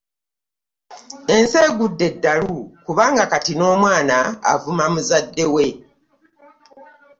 Ensi egudde eddalu kubanga kati n'omwana avuma muzadde we!